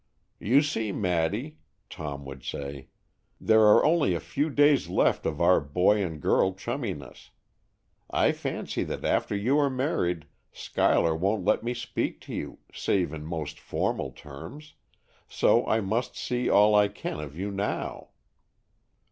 "You see, Maddy," Tom would say, "there are only a few days left of our boy and girl chumminess. I fancy that after you are married, Schuyler won't let me speak to you, save in most formal terms, so I must see all I can of you now."